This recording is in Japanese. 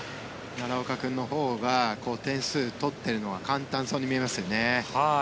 奈良岡君のほうが点数取ってるのは簡単そうに見えますけどね。